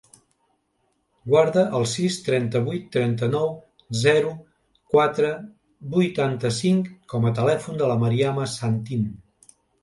Guarda el sis, trenta-vuit, trenta-nou, zero, quatre, vuitanta-cinc com a telèfon de la Mariama Santin.